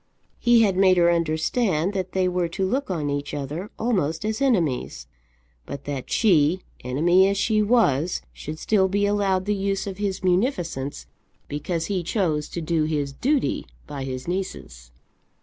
He had made her understand that they were to look on each other almost as enemies; but that she, enemy as she was, should still be allowed the use of his munificence, because he chose to do his duty by his nieces!